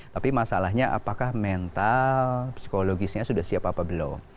tapi masalahnya apakah mental psikologisnya sudah siap apa belum